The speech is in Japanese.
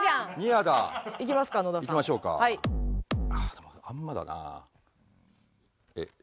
でもあんまだな。